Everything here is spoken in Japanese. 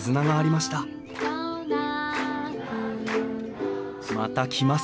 また来ます